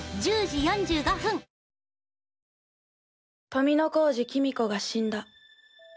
富小路公子が死んだ。